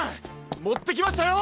もってきましたよ！